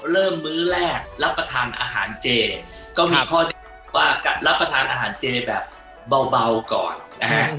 มื้อแรกรับประทานอาหารเจก็มีข้อเรียกว่ารับประทานอาหารเจแบบเบาก่อนนะฮะ